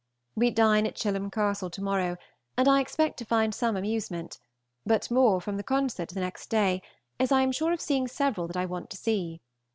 We dine at Chilham Castle to morrow, and I expect to find some amusement, but more from the concert the next day, as I am sure of seeing several that I want to see.